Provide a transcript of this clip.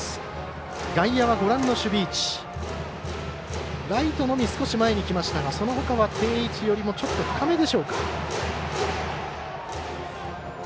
外野はライトのみ少し前に来ましたがそのほかは定位置よりもちょっと深めでしょうか。